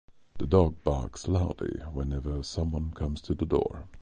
The dog barks loudly whenever someone comes to the door.